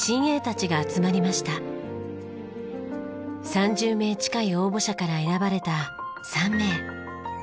３０名近い応募者から選ばれた３名。